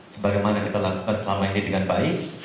sebagaimana kita lakukan selama ini dengan baik